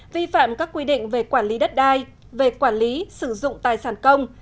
vi phạm các quy định về quản lý đất đai về quản lý sử dụng tài sản công